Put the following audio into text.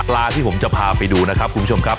ที่ผมจะพาไปดูนะครับคุณผู้ชมครับ